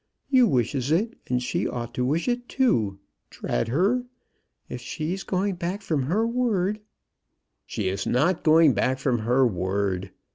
You wishes it, and she ought to wish it too. Drat her! If she is going back from her word " "She is not going back from her word.